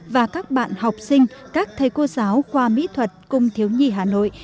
và các bạn học sinh các thầy cô giáo qua mỹ thuật cùng thiếu nhi hà nội